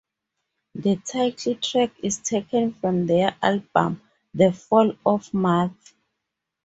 The title track is taken from their album "The Fall of Math".